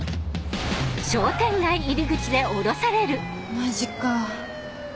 マジか。